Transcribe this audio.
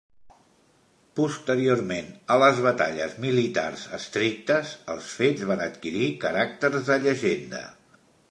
Posteriorment a les batalles militars estrictes, els fets van adquirir caràcters de llegenda.